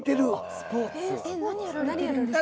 何やられてるんですか？